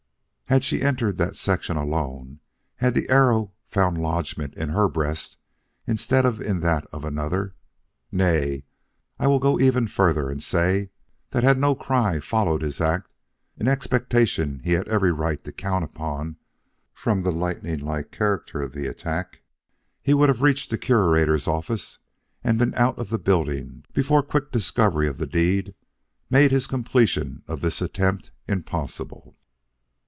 Had she entered that section alone had the arrow found lodgment in her breast instead of in that of another nay, I will go even further and say that had no cry followed his act, an expectation he had every right to count upon from the lightning like character of the attack, he would have reached the Curator's office and been out of the building before quick discovery of the deed made his completion of this attempt impossible."